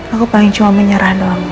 aku paling cuma menyerah doang